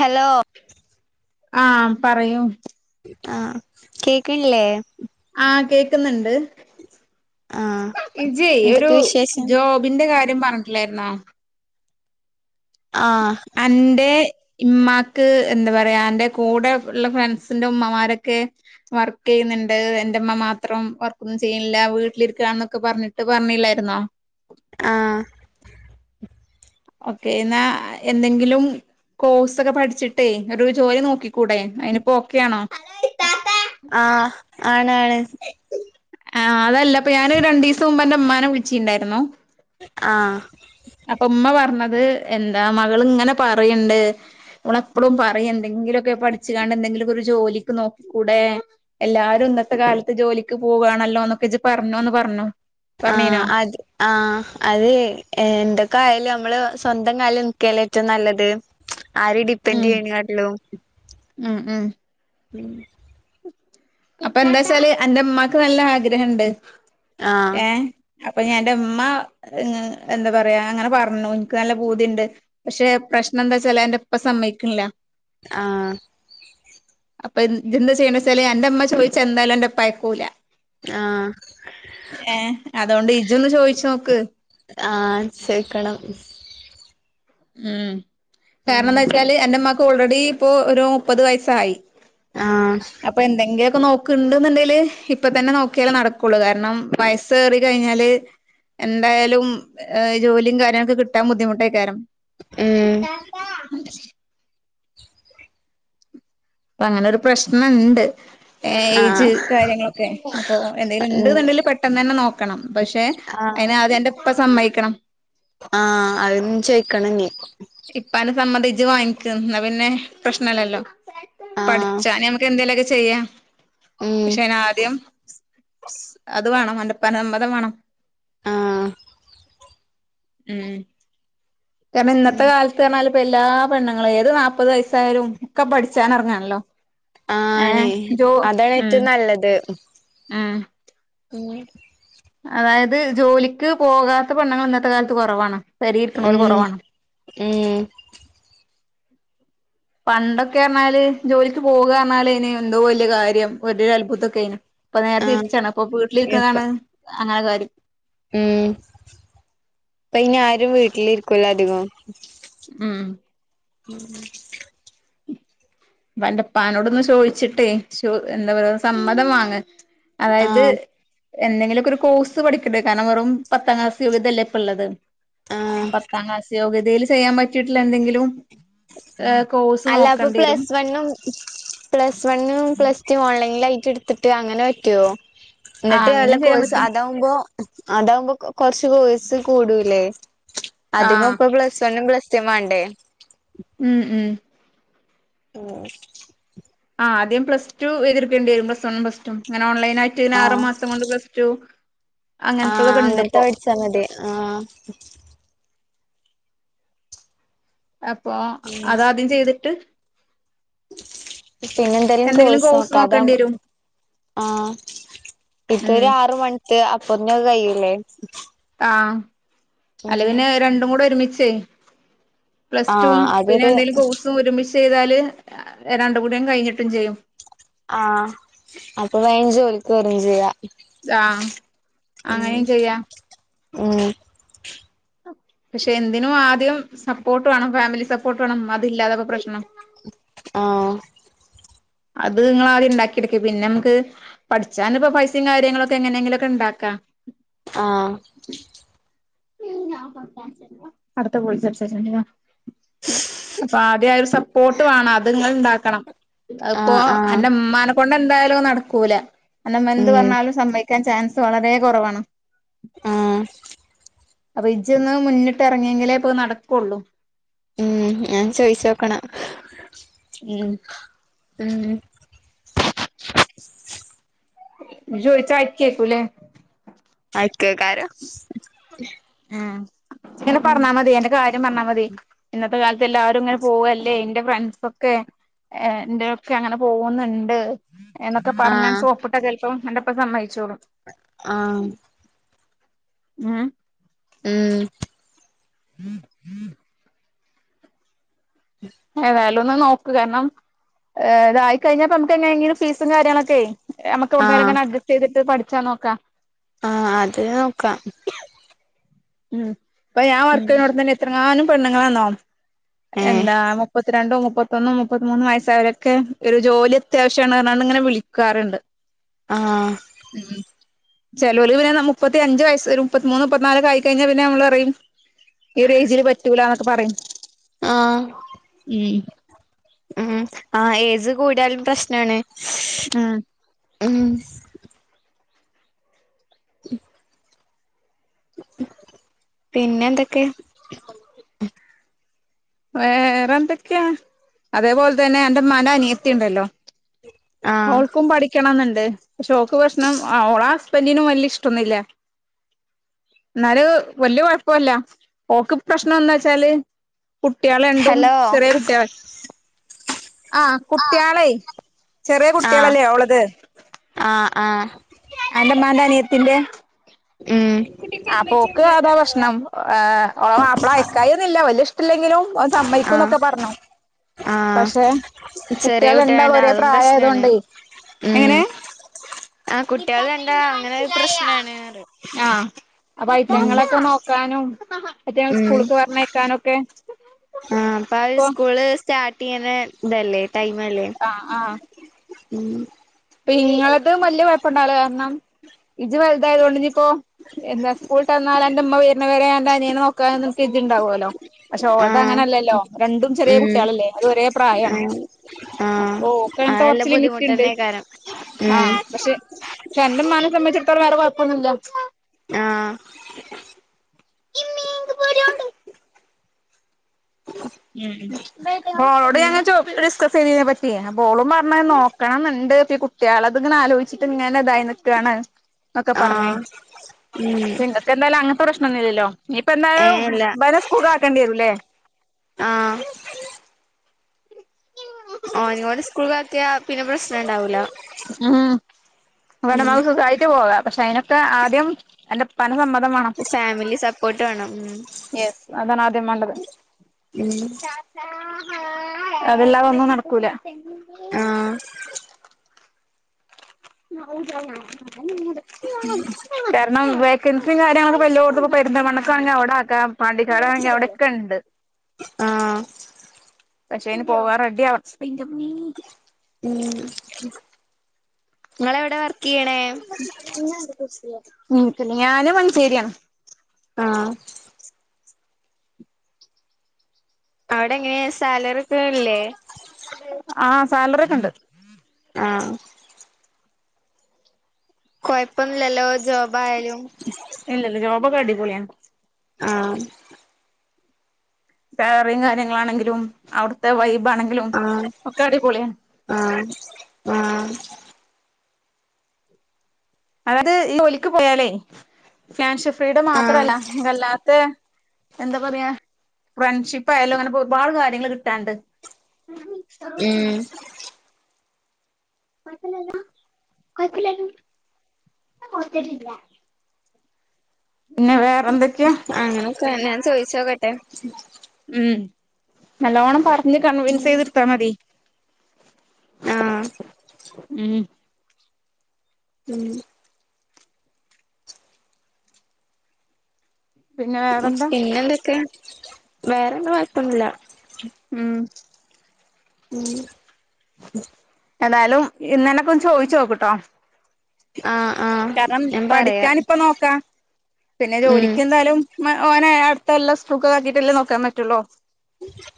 Hello ആ പറയൂ ആ കേക് ൻല്ലേ ആ കേക്ന്ണ്ട് ആഹ് ഇജ്ജയ് ഒരു എന്തൊക്കെ വിശേഷം ജോബ് ബിന്റെ കാര്യം പറഞ്ഞിട്ടില്ലായിരുന്നോ ആഹ് അന്റെ ഇമ്മാക്ക് എന്ത പറയാ അന്റെ കൂടെ ഉള്ള ഫ്രണ്ട്സിന്റെ ഉമ്മമാരോക്കെ വർക്ക് ചെയ്ന്ണ്ട് എന്റെ മ്മ മാത്രം വർക്കൊന്നും ചെയ്യുന്നില്ല വീട്ടിലിരിക്കാ ന്നൊക്കെ പറഞ്ഞിട്ട് പറഞ്ഞില്ലായിരുന്നോ ആഹ് ഓക്കേ എന്നാ എന്തെങ്കിലും കോഴ്സ് ഒക്കെ പഠിച്ചിട്ടേ ഒരു ജോലി നോക്കി ക്കൂടെ അയ്നിപ്പോ ഒക്കെയാണോ ആ ആണ് ആണ് ആ അതല്ല പ്പോ ഞാന് ഒരു രണ്ടീസം മുമ്പ് അന്റെ ഉമ്മാനെ വിളിച്ചിണ്ടായിരുന്നു ആഹ് അപ്പ ഉമ്മ പറഞ്ഞത് എന്താ മകള് ങ്ങനെ പറയ്ണ്ട് ഓള് എപ്പളും പറയി എന്തെങ്കിലുക്കെ പഠിച്ച് കാണ്ട് എന്തെങ്കിലുക്കെ ഒരു ജോലിക്ക് നോക്കി കൂടെ എല്ലാരും ഇന്നത്തെ കാലത്ത് ജോലിക്ക് പോകവാണല്ലോ ന്നൊക്കെ ഇജ്ജ് പറഞ്ഞൂന്ന് പറഞ്ഞു ആഹ് പറഞ്ഞീനോ അത് ആ അത് എന്തൊക്ക ആയാലും നമ്മള് സ്വന്തം കാല് നിക്കല്ലേ ഏറ്റവും നല്ലത് ആരേം ഉം ഡിപ്പെൻഡ്യ്യണി കാട്ടിലും ഉം ഉം [inaudible] അപ്പ എന്താച്ചാല് അന്റെമ്മാക്ക് നല്ല ആഗ്രഹണ്ട് ആഹ് ഏ അപ്പഞ്ഞി അന്റെമ്മ എന്ത പറയാ അങ്ങനെ പറഞ്ഞു ഇൻക്ക് നല്ല പൂതിണ്ട് പക്ഷെ പ്രശ്നം എന്താച്ചാല് അന്റെപ്പ സമ്മയിക് ൺല്ല ആഹ് അപ്പ ഇജ്ജ് ന്താ ചെയ്യണ്ടച്ചാല് അന്റെമ്മ ചോയിച്ച എന്തായാലും അന്റെപ്പ അയ്ക്കൂല ആഹ് ഏ അതോണ്ട് ഇജ്ജ് ഒന്ന് ചോയിച്ച് നോക്ക് ആഹ് ചോയിക്കണം ഉം ഉം കാരണന്താച്ചാല് അന്റെമ്മാക്ക് ഓൾറെഡി പ്പോ ഒരു മുപ്പത് വയസായി ആഹ് അപ്പൊ എന്തെങ്കിലൊക്കെ നോക് നോക്ക്ണ്ട് ന്ന്ണ്ടേല് ഇപ്പതന്നെ നോക്കിയാലേ നടക്കുള്ളൂ കാരണം വയസ് ഏറി കഴിഞ്ഞാല് എന്തായാലും ഏ ജോലിം കാര്യങ്ങളൊക്കെ കിട്ടാൻ ബുദ്ധിമുട്ടായി കാരം ഉം ഇത്താത്താ ഇപ്പ അങ്ങനെ ഒരു പ്രശ്നണ്ട് ഏയ്ജ് ആഹ് കാര്യങ്ങളൊക്കെ അപ്പൊ എന്തേലും ഉം ഉണ്ടുന്നുണ്ടെങ്കില് പെട്ടെന്ന് തന്നെ നോക്കണം. പക്ഷെ ആഹ് അയ്ന് ആദ്യം അന്റെപ്പ സമ്മയിക്കണം. ആ അതും ച്ചോയ്ക്കണം ഞ്ഞി ഇപ്പാന്റെ സമ്മതം ജ്ജ് വാങ്ങിക്ക്‌ ന്നാപിന്നെ പ്രശ്നല്ലല്ലോ. ആഹ് പട്ച്ചാ നമുക്ക് എന്തേലുക്കെ ചെയ്യാം ഉം പക്ഷെ അയ്ന് ആദ്യം സ്‌ ത് വേണം അന്റെപ്പാന്റെ സമ്മതം വേണം. ആഹ് ഉം കാരണം, ഉം ഇന്നത്തെ കാല ത്ത് ർഞ്ഞാല് പ്പ എല്ലാ പെണ്ണങ്ങളേയും ഏത് നാപ്പത് വയസ്സായാലും ക്കെപഠിച്ചാന് എറങ്ങാണല്ലോ. ഏ ജോ ഉം നല്ലെത് ആഹ് പിന്നെ അതായത് ജോലിക്ക് പോകാത്ത പെണ്ണുങ്ങള് ഇന്നത്തെ കാലത്ത് കൊറവാണ്. പെരിയിരിക്കണോര് കൊറവാണ്. ഉം പണ്ടൊക്കെ പറഞ്ഞാല് ജോലിക്ക് പോകുകയെന്നാലേ ന് എന്തോ വെല്യാ കാര്യം. ഒരു അത്ഭുതൊക്കെയാനു. ഇപ്പൊ നേരെ ആഹ് തിരിച്ചാണ്. ഇപ്പൊ ഇപ്പ വീട്ടിലിരിക്കുന്നതാണ് അങ്ങനെ കാര്യം. ഉം ഇപ്പ ഇനി ആരും വീട്ടിലിരിക്കുലോ അധികം. ഉം ഉം തന്റെപ്പാനോട് ഒന്ന് ചോദിച്ചിട്ടേ. ചോ എന്താ പറ സമ്മതം വാങ്ങ്. അതായത് ആഹ് എന്തെങ്കിലുക്കെ ഒരു കോസ് പഠിക്കണ്ടേ. കാരണം വെറും പത്താം ക്ലാസ് യോഗ്യതല്ലേയിപ്പ ഒള്ളെത്. ആഹ് പത്താം ക്ലാസ് യോഗ്യതയില് ചെയ്യാൻ പറ്റിട്ടിള്ള എന്തെങ്കിലും എ കോസ്. അല്ല അപ്പൊ പ്ലസ് വണും. പ്ലസ് വണും പ്ലസ് ടുവും ഓൺലൈനിൽ ലയിറ്റെടിത്തിട്ട് അങ്ങനെ പറ്റുമോ? ആ എന്നിട്ട് നല്ല അങ്ങനെയും ചെയ്യാൻ കോയ്സ് പറ്റും അതാവുമ്പോ, അതാവുമ്പോ കൊറെച്ച് കോയിസ് കൂടൂല്ലേ. ആ അധികിപ്പു പ്ലസ് വണും പ്ലസ് ടുവും വേണ്ടേ. ഉം ഉം ഓ ആദ്യം പ്ലസ് ടു എഴ്തി ട്ക്കേണ്ടി വെരും. പ്ലസ് വണും പ്ലസ് ടും ഇങ്ങനെ ഓൺലൈനായി റ്റ് ഒരാറു ആഹ് മാസം കൊണ്ട് പ്ലസ് ട റ്റു അങ്ങനെത്തെത് കൊണ്ടിപ്പം. ചമ്മന്തി ആഹ് അപ്പൊ അതാദ്യം ചെയ്തിട്ട്. പിന്നെന്തേലും എന്തെങ്കിലും കോസ് കോഴ്സ് നോക്കാ നോക്കേണ്ടി വരും അതാവുമ്പം ആഹ് ഉം ഇപ്പോരു ആറ് മണിക്ക് അപ്പത്തി സദ് കയ്യൂലേ ആഹ് അല്ലേ പിന്നെ രണ്ടും കൂടെ ഒരുമിച്ചേ. പ്ലസ് ടും ആഹ് പിന്നെ അതൊരു എന്തേലും കോഴ്സും ഒരുമിച്ച് ചെയ്താല്, രണ്ട് കൂടിയാണ്കഴിഞ്ഞിട്ടും ചെയ്യും. ആഹ് അപ്പൊ വേഗം ജോലിക്ക് വെരവേം ചെയ്യാ. ഗാം ഉം അങ്ങനെയും ചെയ്യാം. ഉം പക്ഷെ എന്തിനും ആദ്യം സപ്പോട്ട് വേണം. ഫാമിലി സപ്പോട്ട് വേണം. അതില്ലാതെക്കെ പ്രശനം. ആഹ് അത് നിങ്ങളാദ്യം ഉണ്ടാക്കിയെടുക്ക്. പിന്നെ നമുക്ക് പഠിച്ചാനിപ്പ പൈസയും കാര്യങ്ങളൊക്കെ എങ്ങനെയെങ്കിലുക്കെ ഉണ്ടാക്കാ. ആഹ് അടുത്ത് പോയി സംസാരിച്ചോണ്ട് വാ. ഇപ്പ ആദ്യാരു സപ്പോട്ട് വേണം. അത് നിങ്ങെള് ഇണ്ടാക്കണം. അത്പ്പോ ആഹ് ആഹ് അന്റമ്മാനെ കൊണ്ടെന്തായാലും അത് നടക്കൂല. അന്റുമ്മ എന്ത് ഉം പറഞ്ഞാലും സമ്മയ് ക്കാൻ ചാൻസ് വളരെ കൊറവാണ്. ആഹ് അപ്പൊ ഇഞ്ചൊന്ന് മുന്നിട്ട് ഇറങ്ങിയെങ്കിലേപ്പത്നടക്കുള്ളൂ ഉം ഞാൻ ചോയിച്ചോക്കണ ഉം ഉം ജോലിക്കയക്കു വൈ ക്കുല്ലേ അയക്കൈക്കാരം ആ ഇങ്ങനെ പറഞ്ഞാൽ മതി എന്റെ കാര്യ പറഞ്ഞാ മതി ഇന്നത്തെ കാലത്ത് എല്ലാവാരും ഇങ്ങനെ പോവല്ലേ എന്റെ ഫ്രണ്ട്സ ഒക്കെ ഏ എന്റെയൊക്കെ അങ്ങനെ പോകുന്നുണ്ട് എന്നൊക്കെ പറഞ്ഞാൻ ആഹ് സോപ്പിട്ടാ ചിലപ്പോ എന്റെപ്പ സമ്മച്ചോളു ആഹ് ഉം ഉം മും ഹും ഉം ഏതായാലും ഒന്ന് നോക്കൂ കാരണം ഏതായാലും ഒന്ന് നോക്ക് കാരണം ഇത് യിക്കകഴിഞ്ഞപ്പൊ നമുക്ക് എങ്ങങ്കിലും ഫീസും കാര്യങ്ങളൊക്കെയ് നമുക്ക് എവടന്നെലുയൊക്കെ ആഹ് അങ്ങന അഡ്ജസ്റ്റ് ചെയ്തിട്ട് പഠിച്ചാ നോക്കാം ആഹ് അത് നോക്കാം ഉം ഇപ്പൊ ഞാൻ ഉം വർക്ക്ചെയ്യണോട തന്നെ എത്രങ്ങാനും പെണ്ണങ്ങളാന്നോ ഏഹ് എന്താ മുപ്പ മുത്തി രണ്ട മുപ്പത്തൊന്നും മുപ്പത്തി മൂന്ന് വയസ്സായലൊക്കെ ഒരു ജോലി അത്യാവശ്യമാണ് പറഞ്ഞങാണ്ട് ഇങ്ങനെ വിളിക്കാറുണ്ട് ആഹ് ഉം ചലോല് പിന്നെ മുപ്പത്തി അഞ്ച വയസ് ഒരു മുപ്പത്തിമൂന്ന് മുപ്പത്തിനാല് ഒക്കെ ആയി കഴിഞ്ഞാ പിന്നെ നമ്മള് അറയും ഈ ഒരു ഏജില് പറ്റൂല എന്നൊക്കെ പറയും ആഹ് ഉം ഉം ആ ഏജ് കൂടിയാലും പ്രശ്നമാണ് ഉം ഉം ഉം പിന്നെ എന്തൊക്കെ വേറെ എന്തൊക്കെയാ അതേപോലെ തന്നെ അന്റെ മ്മാന്റെ അനിയത്തിണ്ടല്ലോ ആഹ് ഓൾക്കും പഠിക്കണംന്നുണ്ട് പക്ഷേ ഓക്ക് പ്രശണം അവഓളാ ഹുസ്ബന്റിന് വല്ല്യെ ഇഷ്ടൊന്നുല്ല എന്നാല് വല്യ കുഴപ്പല്ല ഓക്ക് പ്രശ്നം എന്ന വെച്ചാല് കുട്ട്യാള് രണ്ടും ഹലോ ചെറിയ കുട്ട്യാളാ ആഹ് കുട്ട്യാളെയ് ചെറിയ ആഹ് കുട്ട്യാളല്ലേ ഉള്ളത് ആഹ് ആഹ് അന്റെ മ്മാന്റെനീയത്തിന്റെ ഉം ആ പോക്ക് അതാ പ്രശ്ണം ഒളെ മാപ്പള അയക്കായിന്നില്ല വലിയ ഇഷ്ടമല്ലെങ്കിലും സമ്മയ്ക്കും ആഹ് എന്നൊക്കെ പറഞ്ഞു ആഹ് പക്ഷെ ചെറിയ കുട്ട്യാള് രണ്ടാളും കുട്ടികളുണ്ട് ഒരേ അതും പ്രായ പ്രശ്നാണ് ആതുകൊണ്ടേ ഉം എങ്ങനെ ആ കുട്ടികൾ ഇതാത്ത കണ്ടാ ഇന്നെ അങ്ങനെ മനസ്സിലായോ പ്രശ്നാണ് പറയും ആ അപ്പ അയിറ്റെ ഉം ങ്ങളക്കെ നോ ക്കാനും അറ്റങ്ങളെ ഉം സ്കൂളക്ക് പറഞ്ഞേക്കാനും ഒക്കെ ആഹ് പ്പവര് സ്കൂള് സ്റ്റാർട്ട് ചെയ്ണ ഇതല്ലേ ടൈംല്ലേ ആഹ് ആഹ് ഉം ഇപ്പ ഇങ്ങളത് വലിയ കൊഴപ്പംണ്ടകൂല്ല കാരണം ഇജ്ജ് വലുതായതുക കൊണ്ട് ഇനി ഇപ്പോ എന്താ സ്കൂട്ടന്ന അന്റെ ഉമ്മ വരുന്നവ വരെ അന്റെ അനിയെ നോക്കാൻ അണക്ക് ഇജ്ണ്ടാവോല്ലോ പക്ഷെ ഓളത് ആഹ് അങ്ങനെല്ലല്ലോ രണ്ടും ചെറിയ ഉം കുട്ടികളല്ലേ അത് ഒരേ പ്രായമാണ് ആഹ് ആഹ് അപ്പൊ ഒക്കെ അത് അങ്ങൻത്തെ നല്ല കുറച്ച ലിമിറ്റ്ണ്ട് ബുദ്ധിമുട്ടന്നേക്കാരം ഉം ആഹ് പക്ഷെ അന്റെമ്മാനെ സംബന്ധിച്ചിടത്തോളം വേറെ കൊഴപ്പൊന്നുല്ല ആഹ് [unintelligible] ഉം പ്പ ഒളോട് ഞാൻ ചോ ഡിസ്കസ് ചെയ്തീനി. [unintelligible] ഓളും പറഞ്ഞത് നോക്കണം ന്ന്ണ്ട് ഇ കുട്ട്യാളത് ഇങ്ങനെ ആലോചിച്ചിട്ട് ഇങ്ങനെ ഇതായി നിക്കാണ്. ഒക്കെ പറഞ് ആഹ് ഉം ഇങ്ങക്ക് എന്തായാലും അങ്ങനത്തെ പ്രശ്നം ഒന്നും ഇല്ലല്ലോ? ഇനീപ്പ ന്തായാലും ഏഹ് ഇല്ല ഇമ്പനെ സ്കൂൾ ക്ക് ആക്കേണ്ടി വരും ല്ലേ? ആഹ് ഒനികോടി സ് സ്കൂൾ ചേർത്തിയാ പിന്നെ പ്രശ്നം ഇണ്ടാവൂല്ല. ഉം ഇബടെ ഇമ്മക്ക് സുഖായിട്ട് പോ വ പക്ഷെ അയിന ആദ്യം അന്റെ ഉപ്പാന്റെ സമ്മതം വാണം. ഫാമിലി സപ്പോർട്ട് വേണം ഉ യെസ് അതാണ് ആദ്യം മാണ്ടത്. ഉം അതല്ലാതെ ഒന്നും നടക്കൂല. ആഹ കാരണം കിൻസും കാര്യങ്ങളൊക്കെ ഇപ്പ എല്ലോട്ത്ത്ക്കും പെരുന്തമണക്കാണെങ്കിൽ അവിടെ ആക്കാം പാണ്ടിക്കാടാണെങ്കി അവിടെയൊക്കെണ്ട്. ആഹ പക്ഷെ അയിന് പോവാ റെഡിയ ആവണം. ഇങ്ങള് എവിടെ വർക്ക് ചെയ്യണേ? [unintelligible] ഞാന് മഞ്ചേരിയാണ്. ആഹ അവിടെ എങ്ങനെ സാലറി ഒക്കെല്ലേ? ആഹ സാലറി ഒക്കെണ്ട്. ആഹ കൊഴപൊന്നില്ലല്ലോ ജോബ് ആയാലും? ഇല്ല ഇല്ല ജോബൊക്കെ അടിപൊളിയാണ്. ആഹ വേറെ കാര്യങ്ങളാണെങ്കിലും അവിടുത്തെ വൈബ് ആണെങ്കിലും ഒക്കെ അടിപൊളിയ. ആഹ ആഹ് അതായത് ഈ ജോലിക്ക് പോയാലേ [unintelligible] ഫ്രീഡ ആഹ് മാത്രല്ല അല്ലാത്തെ എന്താ പറയാ ഫ്രണ്ട്ഷിപ്പ് ആയാലും അങ്ങനെപ്പോ ഒരുപാട് കാര്യങ്ങൾ കിട്ടാണ്ട്. ഉം [unintelligible] [unintelligible] പിന്നെ വേറെ എന്തൊക്കെയാ? അങ്ങനൊക്കെ ഞാൻ ചോയിച്ചോക്കട്ടെ? ഉം നലോണം പറഞ്ഞ് കൺവിൻസ് ചെയതിട്ത്താ മതി. ആഹ് ഉം ഉം പിന്നെ വേറെന്താ പിന്നെ എന്തൊക്കെ വേറെ ന്താ കൊഴപ്പൊന്നുല്ല. ഉം ഉം ഏതായാലും ഇന്നനെ ഒക്കെ ഒന്ന് ചോദിച്ചു നോക്ക്ട്ടോ? ആഹ ആഹ കാരണം പഠിക്കാൻ ഇപ്പ നോക്കാ പിന്നെ ഉം ജോലിക്ക് എന്തായാലും ഓനെ അടുത്ത കൊല്ലം സ്കൂൾ കൊക്കെ ആക്കിട്ടല്ലേ നോക്കാൻ പറ്റൊള്ളു.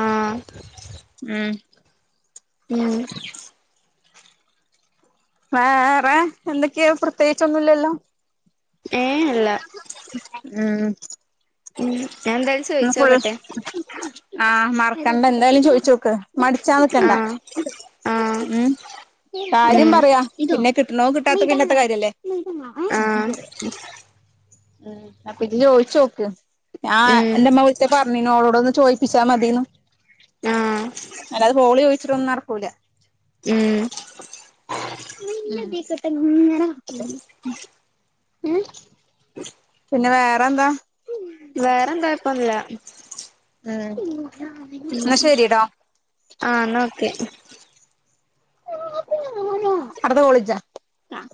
ആഹ ഉം ഉം വേറെ എന്തൊക്കെയ പ്രത്യേകിച്ചൊന്നുംല്ലല്ലോ ഏഹ് അല്ല ഉം ഞാൻ എന്തായാലും ഫുൾ ചോയിച്ചോക്കട്ടെ ആഹ മറക്കണ്ട എന്തായാലും ചോയിച്ച നോക്ക് മടിച്ചാ നക്കണ്ട ആഹ് ആഹ് ഉം കാര്യം ഉം പറയാ പിന്നെ കിട്ടണ കിട്ടാത്തക്കെ പിന്നെത്ത കാര്യംല്ലേ ആഹ് ഉ അപ്പൊ ഇ ചോദിച്ച നോക്ക് ആ ഉം എന്റെമ്മ വിളിച്ച പറഞ്ഞനോളോ അടൊന്ന് ചോയിപ്പിച്ചാ മതിന്ന് ആഹ് അല്ലാത് ഹോളി ചോദിച്ചിട്ടൊന്നും നടക്കൂല ഉം [unintelligible] ഉം ഉം പിന്നെ വേറെന്താ വേറെന്താ ഇപ്പൊന്നുല്ല ഉം ഉം എന്നാ ശരിട്ടോ ആഹ് അന്നാ ഓക്കെ അടുത്ത കോളിച്ചാ ആ